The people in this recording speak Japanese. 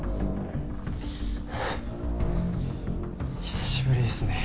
久しぶりですね